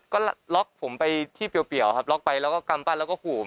ก็ล็อกผมไปที่เปรียวครับล็อกไปแล้วก็กำปั้นแล้วก็ขู่ผม